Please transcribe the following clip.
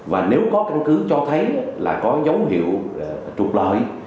và nếu có căn cứ cho thấy là có dấu hiệu trục lợi